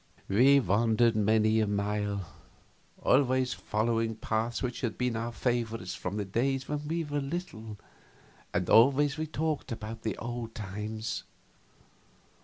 We wandered many a mile, always following paths which had been our favorites from the days when we were little, and always we talked about the old times.